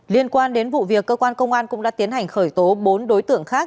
liên quan đến vụ việc cơ quan công an cũng đã tiến hành khởi tố bốn đối tượng khác